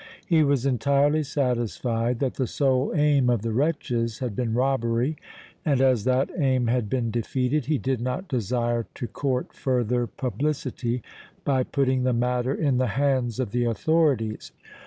He was entirely satisfied that the sole aim of the wretches had been robbery, and, as that aim had been defeated, he did not desire to court further publicity by putting the matter in the hands of the authorities.